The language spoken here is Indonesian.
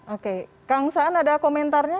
oke kang saan ada komentarnya